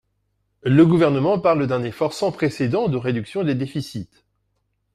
Le Gouvernement parle d’un effort sans précédent de réduction des déficits.